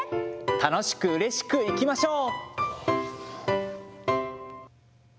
楽しく、うれしくいきましょう。